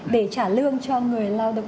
để trả lương cho người lao động